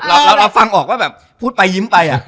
เราฟังออกว่าแบบพูดไปยิ้มไป